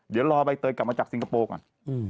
เดี๋ยวรอใบเตยกลับมาจากสิงคโปร์ก่อน